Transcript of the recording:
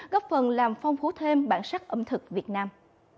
góp phần làm phong phú thêm bản sắc ẩm thực việt nam